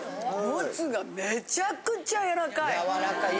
もつがめちゃくちゃやわらかい。